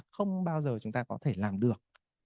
không bao giờ chúng ta có thể làm được